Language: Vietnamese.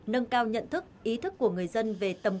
nâng cao nhận thức ý thức của người dân về tầm